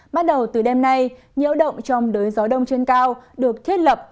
bắt đầu từ đêm nay nhiễu động trong đới gió đông trên cao được thiết lập